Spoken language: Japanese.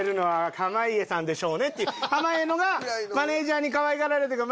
濱家のほうがマネジャーにかわいがられてっていうか